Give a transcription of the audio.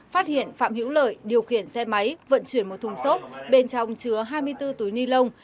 phát hiện phạm hữu lợi điều khiển xe máy vận chuyển một thùng xốp bên trong chứa hai mươi bốn túi ni lông